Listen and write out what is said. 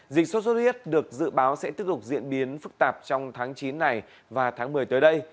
dịch sốt xuất huyết được dự báo sẽ tiếp tục diễn biến phức tạp trong tháng chín này và tháng một mươi tới đây